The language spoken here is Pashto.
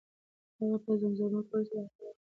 هغه په زمزمه کولو سره خپل غم غلطاوه.